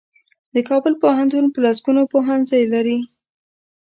د کابل پوهنتون په لسګونو پوهنځۍ لري.